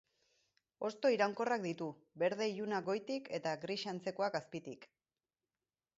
Hosto iraunkorrak ditu, berde ilunak goitik eta gris antzekoak azpitik.